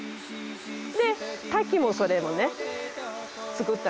滝もそれもね造った。